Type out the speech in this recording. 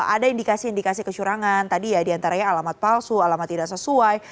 ada indikasi indikasi kecurangan tadi ya diantaranya alamat palsu alamat tidak sesuai